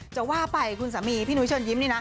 จะว่าไปคุณสามีพี่หนุ๊ยเฉยค่อนยินดินะ